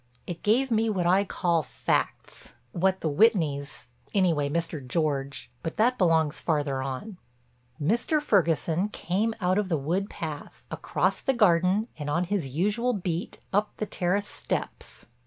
It gave me what I call facts; what the Whitneys, anyway Mr. George—but that belongs farther on. Mr. Ferguson came out of the wood path, across the garden and on his usual beat, up the terrace steps.